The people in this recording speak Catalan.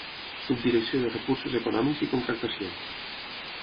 Subdirecció de Recursos Econòmics i Contractació.